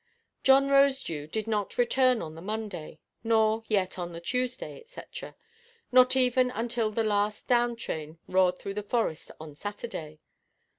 John Rosedew did not return on the Monday, nor yet on the Tuesday, &c. Not even until the last down–train roared through the Forest on Saturday.